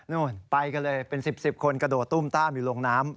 นู่นไปกันเลยเป็น๑๐คนกระโดดตุ้มต้ามอยู่ลงน้ำ